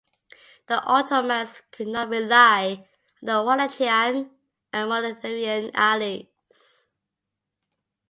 The Ottomans could not rely on their Wallachian and Moldavian allies.